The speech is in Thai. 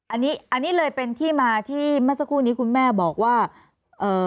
อันนี้อันนี้เลยเป็นที่มาที่เมื่อสักครู่นี้คุณแม่บอกว่าเอ่อ